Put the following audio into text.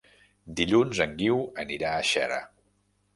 Dilluns en Guiu anirà a Xera.